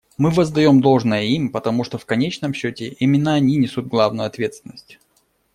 Мы воздаем должное им, потому что в конечном счете именно они несут главную ответственность.